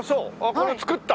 これ造った？